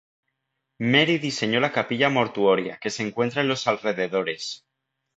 Mary diseño la capilla mortuoria que se encuentra en los alrededores.